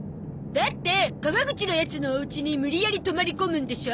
だって「川口のやつ」のおうちに無理やり泊まり込むんでしょ？